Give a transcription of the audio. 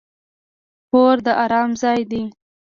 کور د ارام ځای دی.